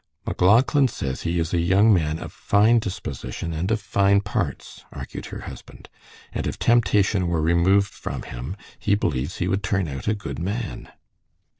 "MacLauchlan says he is a young man of fine disposition and of fine parts," argued her husband, "and if temptation were removed from him he believes he would turn out a good man."